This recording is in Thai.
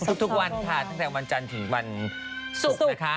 ทุกวันค่ะตั้งแต่วันจันทร์ถึงวันศุกร์นะคะ